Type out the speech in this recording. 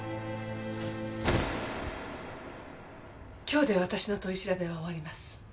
今日で私の取り調べは終わります。